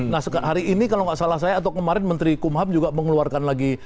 nah hari ini kalau nggak salah saya atau kemarin menteri kumham juga mengeluarkan lagi